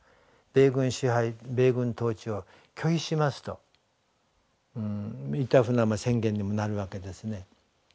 米軍支配米軍統治を拒否しますといったふうな宣言にもなるわけですね。